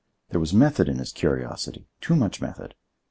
There was method in this curiosity, too much method.